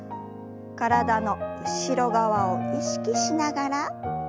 体の後ろ側を意識しながら戻して。